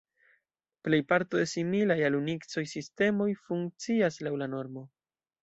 Plejparto de similaj al Unikso sistemoj funkcias laŭ la normo.